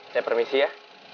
saya permisi ya